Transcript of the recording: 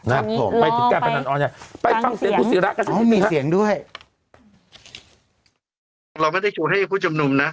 มีเสียงด้วยเราไม่ได้ชูให้ผู้จำนุ่มนะ